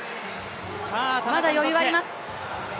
まだ余裕あります。